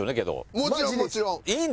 もちろんもちろん。